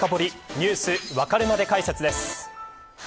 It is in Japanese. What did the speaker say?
Ｎｅｗｓわかるまで解説です。